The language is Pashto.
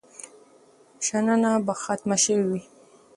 شننه به ختمه شوې وي.